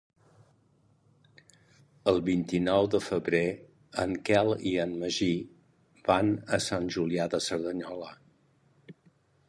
El vint-i-nou de febrer en Quel i en Magí van a Sant Julià de Cerdanyola.